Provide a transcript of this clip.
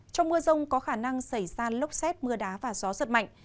trong mưa rông có khả năng xảy ra lốc xét mưa đá và gió giật mạnh